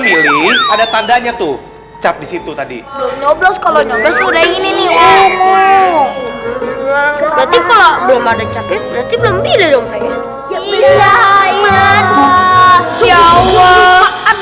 ini ada tandanya tuh cap disitu tadi kalau nyobes udah gini nih om berarti kalau belum ada capek